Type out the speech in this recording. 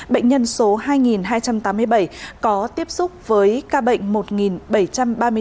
bệnh nhân số hai hai trăm tám mươi bảy có tiếp xúc với ca bệnh một bảy trăm ba mươi sáu